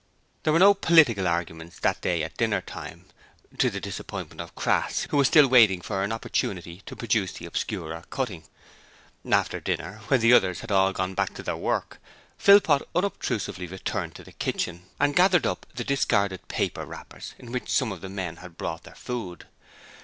There were no 'political' arguments that day at dinner time, to the disappointment of Crass, who was still waiting for an opportunity to produce the Obscurer cutting. After dinner, when the others had all gone back to their work, Philpot unobtrusively returned to the kitchen and gathered up the discarded paper wrappers in which some of the men had brought their food.